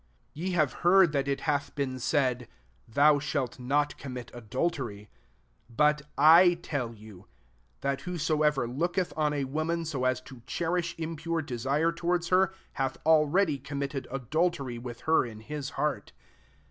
27 ^ Ye have heard ttet it hath been said, ^ Thou shalt not commit adultery.' 28 But I tell you, that whosoever looketh on a woman so as to cl^riah ia^ pure desire towards her, hath already committed adultery, with her in his heart.